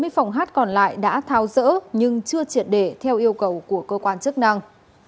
bốn mươi phòng hát còn lại đã thao dỡ nhưng chưa triệt để theo yêu cầu của cơ quan chức năng